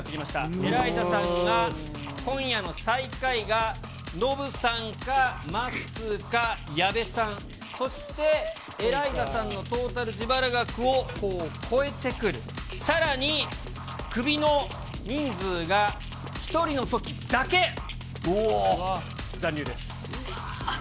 エライザさんが、今夜の最下位がノブさんか、まっすーか、矢部さん、そしてエライザさんのトータル自腹額を超えてくる、さらにクビの人数が１人のときだけ、残留です。